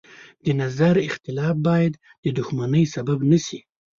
د نظر اختلاف باید د دښمنۍ سبب نه شي.